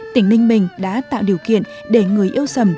tỉnh ninh bình đã tạo điều kiện để người yêu sầm